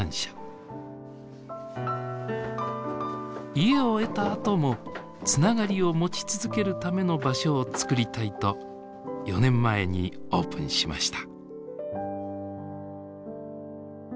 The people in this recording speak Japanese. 家を得たあともつながりを持ち続けるための場所をつくりたいと４年前にオープンしました。